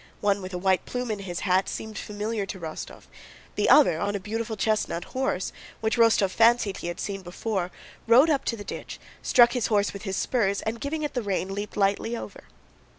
One with a white plume in his hat seemed familiar to Rostóv; the other on a beautiful chestnut horse (which Rostóv fancied he had seen before) rode up to the ditch, struck his horse with his spurs, and giving it the rein leaped lightly over.